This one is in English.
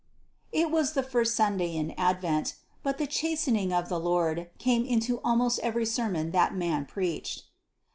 It was the first Sunday in Advent; but "the chastening of the Lord" came into almost every sermon that man preached.